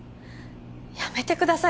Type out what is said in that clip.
やめてください